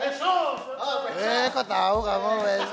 eh kok tau kamu faisal